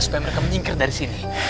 supaya mereka menyingkir dari sini